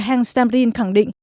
heng samrin khẳng định